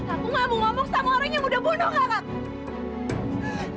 aku ngamuk ngamuk sama orang yang udah bunuh kakak